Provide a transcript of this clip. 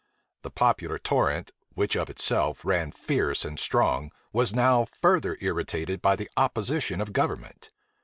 The popular torrent, which of itself ran fierce and strong, was now further irritated by the opposition of government.